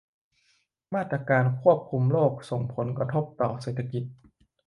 มาตรการควบคุมโรคส่งผลกระทบต่อเศรษฐกิจ